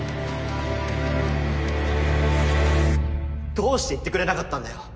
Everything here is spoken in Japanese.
どうして言ってくれなかったんだよ！